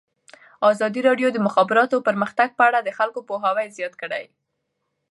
ازادي راډیو د د مخابراتو پرمختګ په اړه د خلکو پوهاوی زیات کړی.